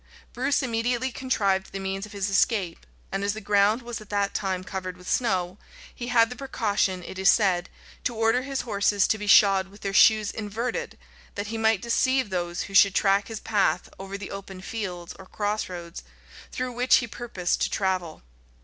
Bruce immediately contrived the means of his escape; and as the ground was at that time covered with snow, he had the precaution, it is said, to order his horses to be shod with their shoes inverted, that he might deceive those who should track his path over the open fields or cross roads, through which he purposed to travel.